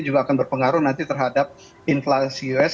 juga akan berpengaruh nanti terhadap inflasi us